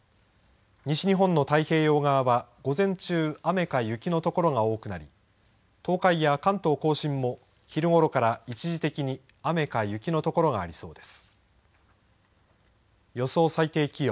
西日本の太平洋側は午前中雨か雪の所が多くなり東海や関東甲信も昼ごろから一時的に雨か雪の所がありそうです。